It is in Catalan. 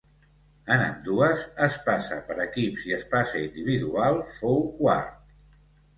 En ambdues, espasa per equips i espasa individual fou quart.